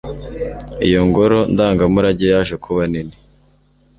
Iyo ngoro ndangamurage yaje kuba nini